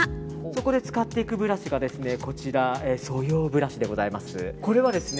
そこで使っていくブラシがそようブラシでございます。